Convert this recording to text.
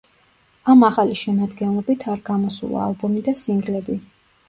ამ ახალი შემადგენლობით არ გამოსულა ალბომი და სინგლები.